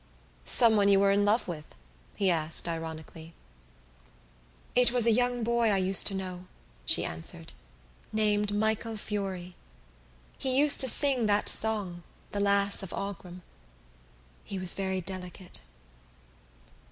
"Someone you were in love with?" he asked ironically. "It was a young boy I used to know," she answered, "named Michael Furey. He used to sing that song, The Lass of Aughrim. He was very delicate."